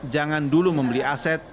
jangan dulu membeli aset